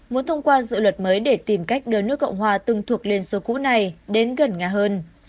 muốn thông qua dự luật mới để tìm cách đưa nước cộng hòa từng thuộc liên xô cũ này đến gần nhà hơn